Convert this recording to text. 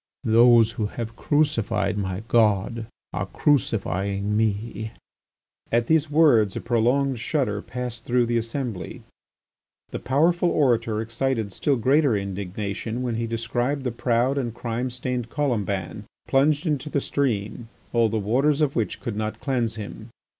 Those who have crucified my God are crucifying me!" At these words a prolonged shudder passed through the assembly. The powerful orator excited still greater indignation when he described the proud and crime stained Colomban, plunged into the stream, all the waters of which could not cleanse him.